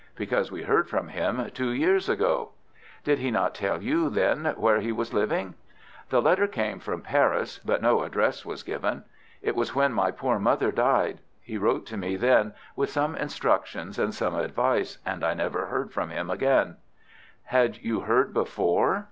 "Because we heard from him two years ago." "Did he not tell you then where he was living?" "The letter came from Paris, but no address was given. It was when my poor mother died. He wrote to me then, with some instructions and some advice, and I have never heard from him since." "Had you heard before?"